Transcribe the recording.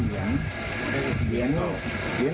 บูรค่าความเสียหายเป็น๕แสนบาทได้อะค่ะ